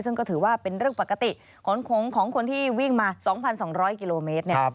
ซึ่งก็ถือว่าเป็นเรื่องปกติขนของคนที่วิ่งมา๒๒๐๐กิโลเมตร